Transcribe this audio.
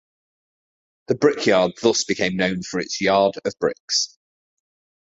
The "Brickyard" thus became known for its "Yard of Bricks".